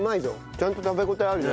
ちゃんと食べ応えあるね